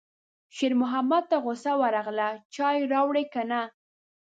شېرمحمد ته غوسه ورغله: چای راوړې که نه